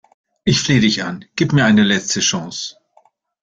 Ich flehe dich an, gib mir eine letzte Chance!